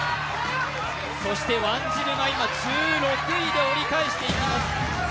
そしてワンジルが今、１６位で折り返していきます。